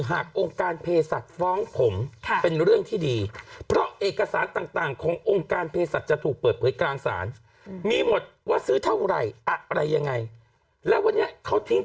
หากองค์การเพศัตริย์ฟ้องผมเป็นเรื่องที่ดี